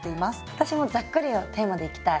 私もざっくりがテーマでいきたい。